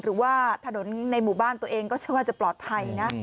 หรือว่าถนนในหมู่บ้านตัวเองก็เชื่อว่าจะปลอดภัยนะ